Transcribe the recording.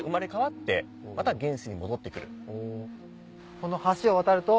この橋を渡ると。